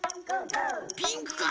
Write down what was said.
ピンクか？